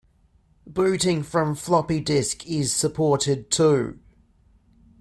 Booting from floppy disk is supported, too.